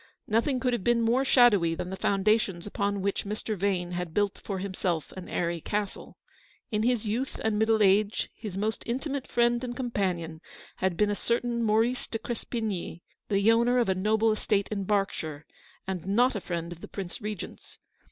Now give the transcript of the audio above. Nothing could have been more shadowy than the foundations upon which Mr. Vane had built for himself an airy castle. In his youth and middle age his most intimate friend and companion had been a certain Maurice de Crespigny, the owner of a noble estate in Berk shire, and not a friend of the Prince Regent's.